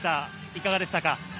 いかがでしたか？